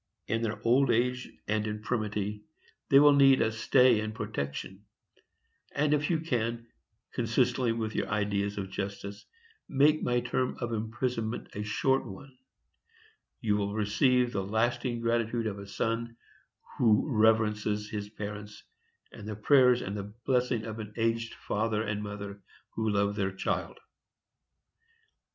In their old age and infirmity they will need a stay and protection; and if you can, consistently with your ideas of justice, make my term of imprisonment a short one, you will receive the lasting gratitude of a son who reverences his parents, and the prayers and blessings of an aged father and mother who love their child."